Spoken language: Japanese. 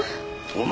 お前！